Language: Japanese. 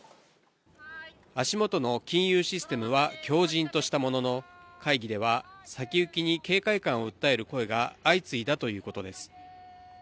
足元の金融システムは強じんとしたものの、会議では先行きに警戒感を訴える声が相次いだということです。